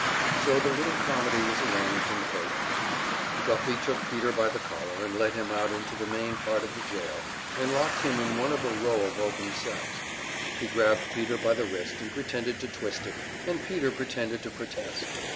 So the little comedy was arranged and played thru. Guffey took Peter by the collar and led him out into the main part of the jail, and locked him in one of a row of open cells. He grabbed Peter by the wrist and pretended to twist it, and Peter pretended to protest.